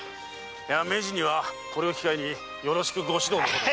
名人にはこれを機会によろしくご指導のほどを。